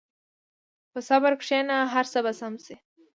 په صبر کښېنه، هر څه به سم شي.